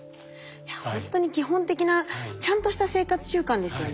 いやほんとに基本的なちゃんとした生活習慣ですよね。